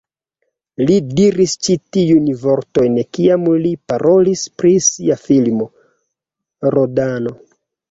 Li diris ĉi tiujn vortojn kiam li parolis pri sia filmo "Rodano".